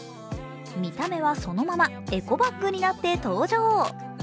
見た目はそのままエコバッグになって登場。